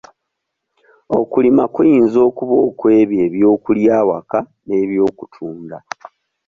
Okulima kuyinza okuba okw'ebyo eby'okulya awaka n'eby'okutunda.